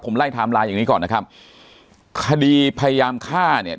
ผมไล่ไทม์ไลน์อย่างนี้ก่อนนะครับคดีพยายามฆ่าเนี่ย